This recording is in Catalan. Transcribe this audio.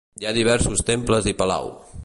Hi ha diversos temples i palau.